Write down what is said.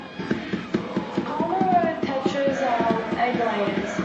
Congo tetras are egg layers.